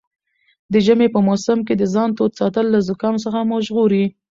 د ژمي په موسم کې د ځان تود ساتل له زکام څخه مو ژغوري.